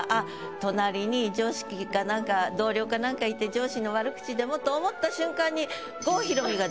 隣に上司か何か同僚か何かいて上司の悪口でもと思った瞬間に。